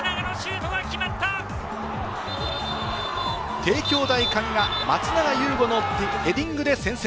帝京大可児が松永悠碁のヘディングで先制。